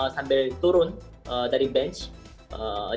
sambil turun dari pangkat belakang